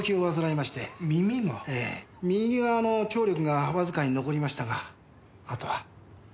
ええ右側の聴力がわずかに残りましたがあとは。